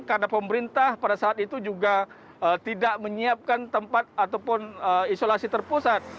karena pemerintah pada saat itu juga tidak menyiapkan tempat ataupun isolasi terpusat